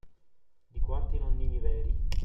Di quanti nonnini veri